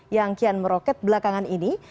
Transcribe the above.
yang kian meroket belakangan ini